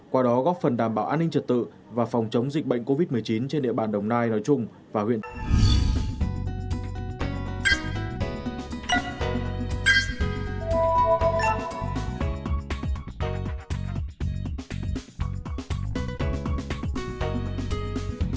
qua đó góp phần đảm bảo an ninh trật tự và phòng chống dịch bệnh covid một mươi chín trên địa bàn đồng nai nói chung và huyện